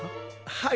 はい。